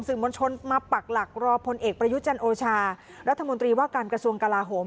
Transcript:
มวลชนมาปักหลักรอพลเอกประยุจันโอชารัฐมนตรีว่าการกระทรวงกลาโหม